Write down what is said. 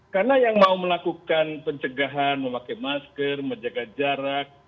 karena yang mau melakukan pencegahan memakai masker menjaga jarak